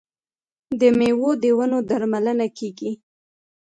د میوو د ونو درملنه کیږي.